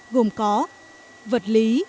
gồm có vật lý